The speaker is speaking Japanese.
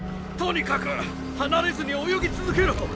とにかく離れずに泳ぎ続けろ。